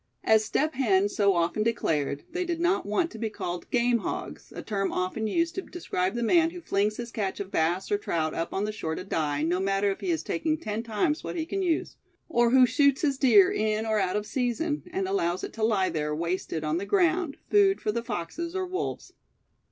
As Step Hen so often declared, they did not want to be called "game hogs," a term often used to describe the man who flings his catch of bass or trout up on the shore to die, no matter if he is taking ten times what he can use; or who shoots his deer in or out of season, and allows it to lie there, wasted, on the ground, food for the foxes or wolves.